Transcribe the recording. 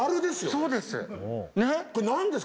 そうです。